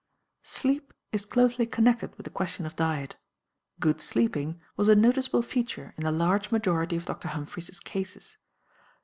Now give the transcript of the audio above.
Sleep is closely connected with the question of diet; "good sleeping" was a noticeable feature in the large majority of Dr. Humphry's cases.